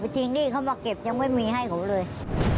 จริงหนี้เขามาเก็บยังไม่มีให้เขาเลย